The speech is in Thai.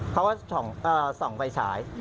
เขาก็ส่องไฟฉาย